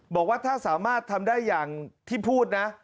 บอกว่าถ้าสามารถทำได้อย่างที่พูดนะ